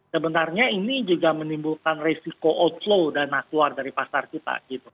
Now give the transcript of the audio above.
sebenarnya ini juga menimbulkan resiko outflow dana keluar dari pasar kita